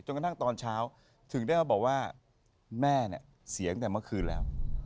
กระทั่งตอนเช้าถึงได้มาบอกว่าแม่เนี่ยเสียงแต่เมื่อคืนแล้ว